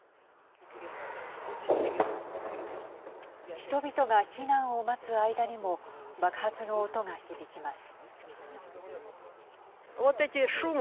人々が避難を待つ間にも爆発の音が響きます。